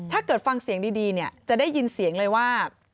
ถ้าเกิดฟังเสียงดีเนี่ยจะได้ยินเสียงเลยว่า